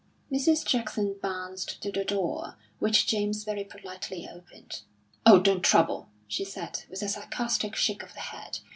Mrs. Jackson bounced to the door, which James very politely opened. "Oh, don't trouble!" she said, with a sarcastic shake of the head.